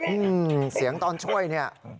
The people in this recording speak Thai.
อืมเสียงตอนช่วยเนี่ย